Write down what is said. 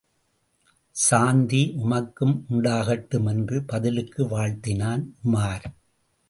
சாந்தி, உமக்கும் உண்டாகட்டும் என்று பதிலுக்கு வாழ்த்தினான் உமார்.